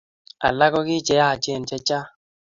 alak ko kii cheyachen chechang